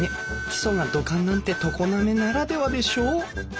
基礎が土管なんて常滑ならではでしょ？」